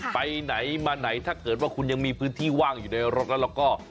ไปไหนมาไหนถ้าเกิดว่าคุณยังมีพื้นที่ว่างอยู่ในรถแล้วเราก็